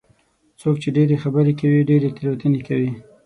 څوک چې ډېرې خبرې کوي، ډېرې تېروتنې کوي.